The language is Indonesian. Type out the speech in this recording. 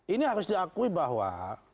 ini harus diakui bahwa